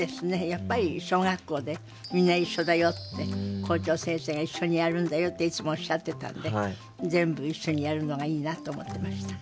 やっぱり小学校で「みんないっしょだよ」って校長先生が「一緒にやるんだよ」っていつもおっしゃってたんで全部一緒にやるのがいいなと思ってました。